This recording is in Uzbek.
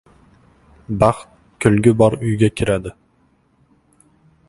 • Baxt kulgi bor uyga kiradi.